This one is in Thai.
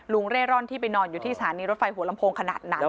เร่ร่อนที่ไปนอนอยู่ที่สถานีรถไฟหัวลำโพงขนาดนั้น